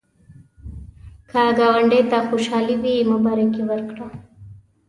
که ګاونډي ته خوشالي وي، مبارکي ورکړه